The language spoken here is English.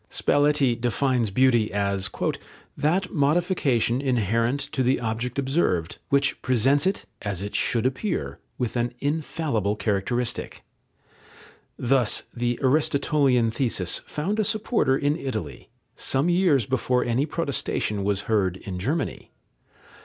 Spalletti defines beauty as "that modification inherent to the object observed, which presents it, as it should appear, with an infallible characteristic." Thus the Aristotelian thesis found a supporter in Italy, some years before any protestation was heard in Germany.